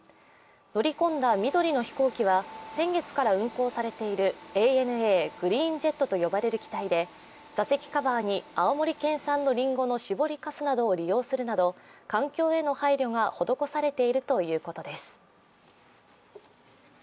乗り込んだ緑の飛行機は先月から運航されているＡＮＡＧｒｅｅｎＪｅｔと呼ばれる機体で座席カバーに青森県産のりんごの搾りかすなどを利用するなど環境への配慮が施されているということです。